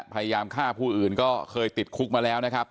พยายามฆ่าผู้อื่นก็เคยติดคุกมาแล้วนะครับ